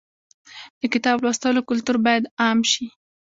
د کتاب لوستلو کلتور باید عام شي.